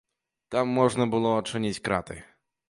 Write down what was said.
Там можна было адчыніць краты.